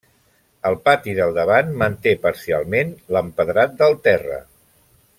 El pati del davant manté parcialment l'empedrat del terra.